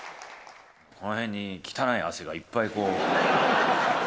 この辺に汚い汗がいっぱいこう。